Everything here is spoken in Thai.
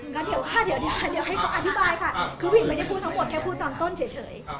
ก็เดี๋ยวค่ะเดี๋ยวให้เขาอธิบายค่ะคือพี่ไม่ได้พูดทั้งหมดแค่พูดตอนต้นเฉย